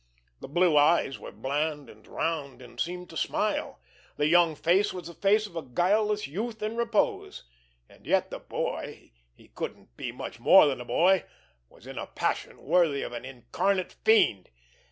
The blue eyes were bland and round and seemed to smile, the young face was the face of a guileless youth in repose, and yet the boy—he couldn't be much more than a boy—was in a passion worthy of an incarnate fiend.